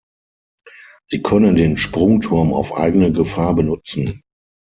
Sie können den Sprungturm auf eigene Gefahr benutzen.